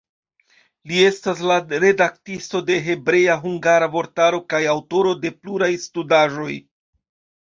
Li estas la redaktisto de hebrea-hungara vortaro kaj aŭtoro de pluraj studaĵoj.